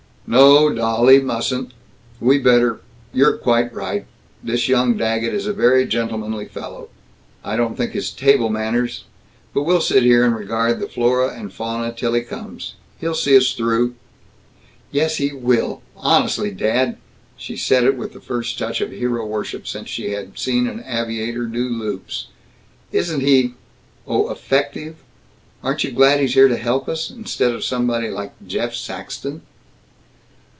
"No, dolly. Mustn't. We better You're quite right. This young Daggett is a very gentlemanly fellow. I didn't think his table manners But we'll sit here and regard the flora and fauna till he comes. He'll see us through." "Yes! He will! Honestly, dad " She said it with the first touch of hero worship since she had seen an aviator loop loops. "Isn't he, oh, effective! Aren't you glad he's here to help us, instead of somebody like Jeff Saxton?"